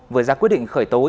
vừa ra quyết định khởi tối